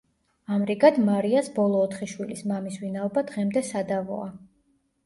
ამრიგად, მარიას ბოლო ოთხი შვილის მამის ვინაობა დღემდე სადავოა.